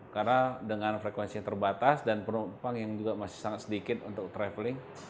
karena dengan frekuensi yang terbatas dan penumpang yang juga masih sangat sedikit untuk travelling